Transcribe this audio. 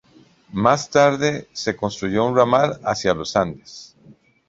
Más tarde, se construyó un ramal hacia Los Andes.